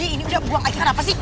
ini udah buang aja rafa sih